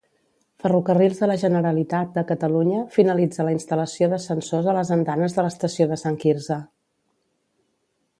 FGC finalitza la instal·lació d'ascensors a les andanes de l'estació de Sant Quirze.